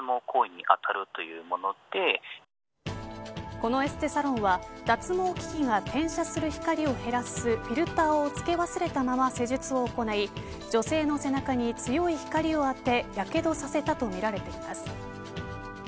このエステサロンは脱毛機器が照射する光を減らすフィルターを付け忘れたまま施術を行い女性の背中に強い光を当てけがさせたとみられています。